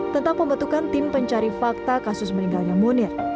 tentang pembentukan tim pencari fakta kasus meninggalnya munir